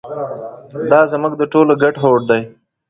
دا زموږ د ټولو ګډ هوډ دی.